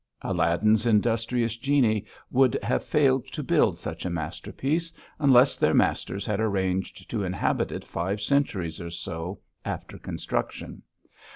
Aladdin's industrious genii would have failed to build such a masterpiece, unless their masters had arranged to inhabit it five centuries or so after construction.